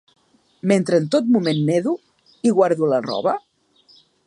Mentre que en tot moment nedo i guardo la roba?